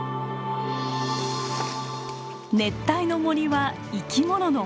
熱帯の森は生き物の宝庫。